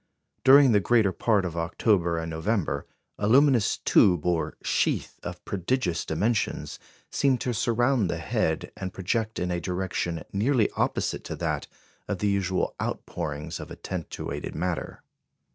During the greater part of October and November, a luminous "tube" or "sheath," of prodigious dimensions, seemed to surround the head, and project in a direction nearly opposite to that of the usual outpourings of attentuated matter.